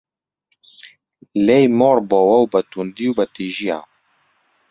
لێی مۆڕ بۆوە بە توندی و بە تیژییە